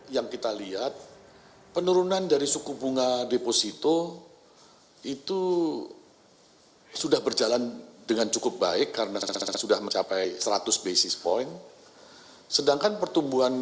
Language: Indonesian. yang kita lihat penurunan dari suku bunga deposito itu sudah berjalan dengan cukup baik karena sudah mencapai seratus basis point